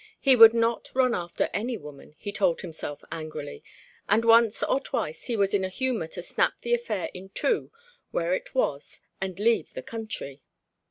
He would not run after any woman, he told himself angrily; and once or twice he was in a humour to snap the affair in two where it was and leave the country.